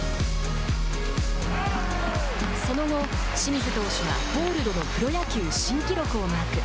その後、清水投手はホールドのプロ野球新記録をマーク。